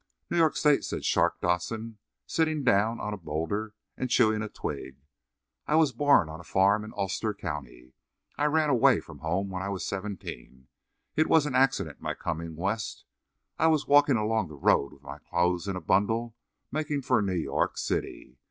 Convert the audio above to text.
"New York State," said Shark Dodson, sitting down on a boulder and chewing a twig. "I was born on a farm in Ulster County. I ran away from home when I was seventeen. It was an accident my coming West. I was walkin' along the road with my clothes in a bundle, makin' for New York City.